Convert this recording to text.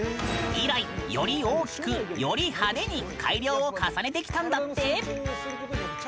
以来、より大きく、より派手に改良を重ねてきたんだって。